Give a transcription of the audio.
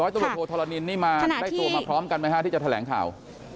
ตำรวจโทษธรณินนี่มาได้ตัวมาพร้อมกันไหมฮะที่จะแถลงข่าว